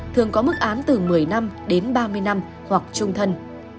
thường có mức án từ một mươi năm đến ba mươi năm hoặc trung thân